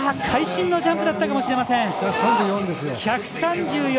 会心のジャンプだったかもしれません。